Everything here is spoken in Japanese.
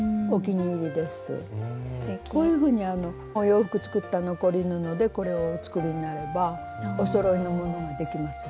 こういうふうにお洋服作った残り布でこれをお作りになればおそろいのものができますよね。